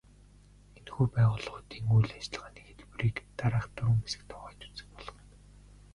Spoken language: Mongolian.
Энэхүү байгууллагуудын үйл ажиллагааны хэлбэрийг дараах дөрвөн хэсэгт хуваан үзэж болох юм.